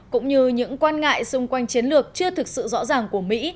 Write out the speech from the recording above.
cũng như những quan ngại xung quanh chiến lược chưa thực sự rõ ràng của mỹ